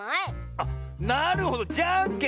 あっなるほどじゃんけんね。